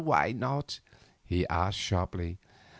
"Why not?" he asked sharply.